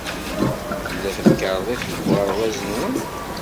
Tella temkarḍit deg uɣerbaz-nwen?